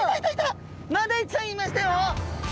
マダイちゃんいましたよ！